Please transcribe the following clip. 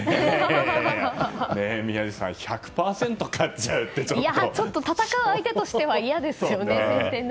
宮司さん、１００％ちょっと戦う相手としては嫌ですよね。